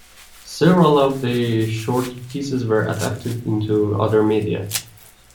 Several of the short pieces were adapted into other media.